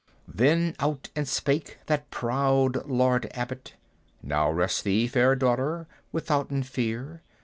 Then out and spake that proud Lord Abbot, "Now rest thee, fair daughter, withouten fear.